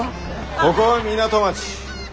ここは港町。